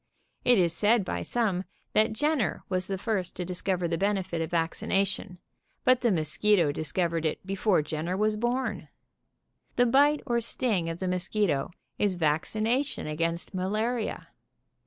It is said by some that Jen ner was the first to discover the benefit of vaccina tion, but the mosquitp discovered it "before Jenner was born. The bite or sting of the mosquito is vaccination against malaria.